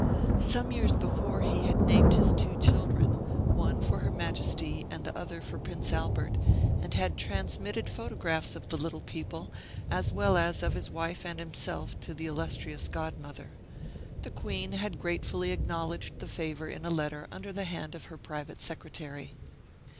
Some years before he had named his two children, one for her Majesty and the other for Prince Albert, and had transmitted photographs of the little people, as well as of his wife and himself, to the illustrious godmother. The Queen had gratefully acknowledged the favor in a letter under the hand of her private secretary.